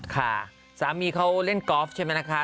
ค่ะสามีเขาเล่นกอล์ฟใช่ไหมคะ